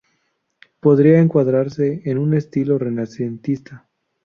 Podría encuadrarse en un estilo renacentista.